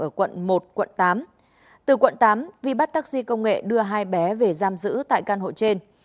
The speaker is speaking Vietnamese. ở quận một quận tám từ quận tám vi bắt taxi công nghệ đưa hai bé về giam giữ tại căn hộ trên